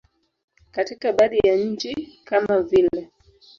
Katika baadhi ya nchi kama vile.